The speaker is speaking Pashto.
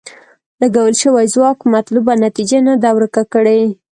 لګول شوی ځواک مطلوبه نتیجه نه ده ورکړې.